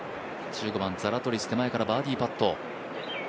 １５番、ザラトリス、手前からバーディーパット。